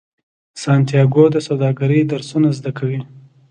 سانتیاګو د سوداګرۍ درسونه زده کوي.